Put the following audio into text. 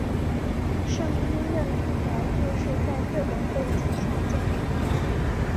胜因院住宅就是在这种背景下建成的。